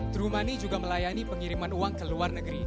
true money juga melayani pengiriman uang ke luar negeri